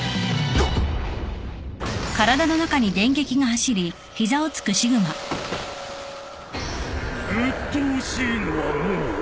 うっとうしいのはもう終わりか？